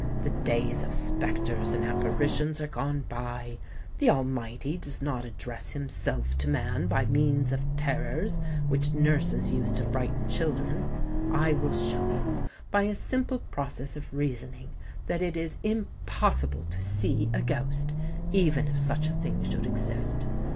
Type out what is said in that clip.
The days of spectres and apparitions are gone by. The Almighty does not address himself to man by means of terrors which nurses use to frighten children. I will show you, by a simple process of reasoning, that it is impossible to see a ghost—even if such a thing should exist.